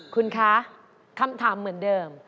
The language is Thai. คุณคะคำถามเหมือนเดิม